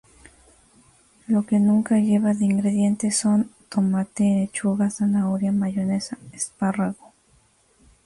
Lo que nunca lleva de ingredientes son: tomate, lechuga, zanahoria, mayonesa, espárrago.